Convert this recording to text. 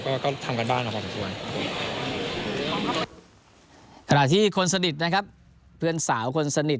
ก็ก็ทำกันบ้างนะครับผมส่วนขณะที่คนสนิทนะครับเพื่อนสาวคนสนิท